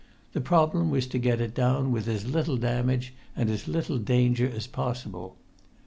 The problem was to get it down with as little damage and as little danger as possible.